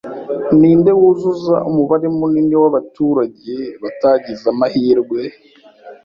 Ninde wuzuza umubare munini w'abaturage batagize amahirwe